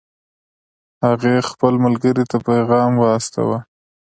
هغې خپل ملګرې ته پیغام واستاوه